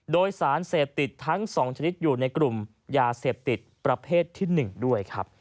โดยสารเสพติดทั้ง๒ชนิดอยู่ในกลุ่มยาเสพติดประเภทที่๑ด้วยครับ